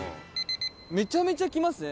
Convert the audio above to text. めちゃめちゃ来ますね。